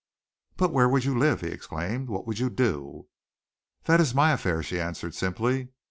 "But where would you live?" he exclaimed. "What would you do?" "That is my affair," she answered simply.